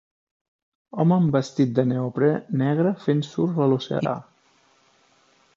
Home amb vestit de neoprè negre fent surf a l'oceà.